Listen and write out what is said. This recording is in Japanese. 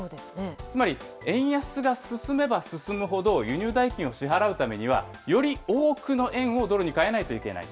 つまり円安が進めば進むほど、輸入代金を支払うためには、より多くの円をドルに替えないといけない。